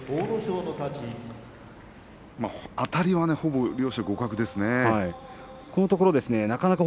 あたりはほぼ両者互角ですね。